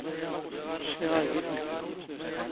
ⵛⵛⵉⵖ ⴰⴳⵉⵙⵉ.